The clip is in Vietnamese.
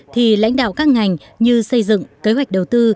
thì lãnh đạo các ngành như xây dựng kế hoạch đầu tư